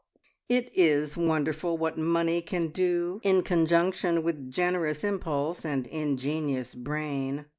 It is wonderful what money can do in conjunction with generous impulse and ingenious brain.